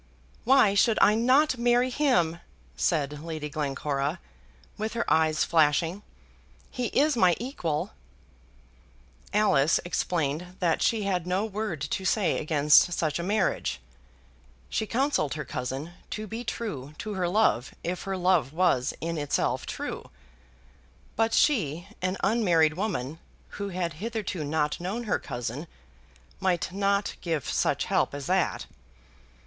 "Why should I not marry him?" said Lady Glencora, with her eyes flashing. "He is my equal." Alice explained that she had no word to say against such a marriage. She counselled her cousin to be true to her love if her love was in itself true. But she, an unmarried woman, who had hitherto not known her cousin, might not give such help as that!